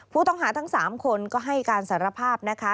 ผู้ต้องหาทั้ง๓คนก็ให้การสารภาพนะคะ